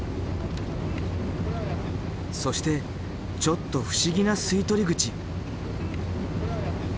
そしてちょっと不思議な吸い取り口。